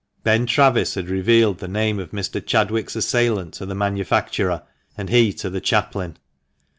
Ben Travis had revealed the name of Mr. Chadwick's assailant to the manufacturer, and he to the chaplain.